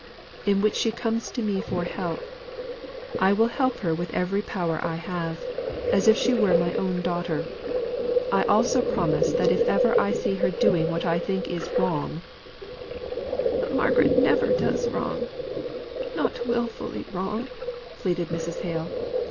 "In which she comes to me for help, I will help her with every power I have, as if she were my own daughter. I also promise that if ever I see her doing what I think is wrong" "But Margaret never does wrong not wilfully wrong," pleaded Mrs. Hale.